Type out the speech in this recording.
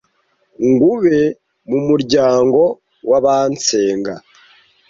Ngo ube mu muryango w’abansenga